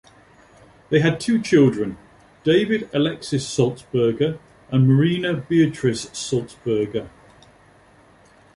They had two children: David Alexis Sulzberger and Marina Beatrice Sulzberger.